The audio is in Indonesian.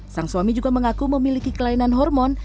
sang suami juga mengaku memiliki kelainan hormon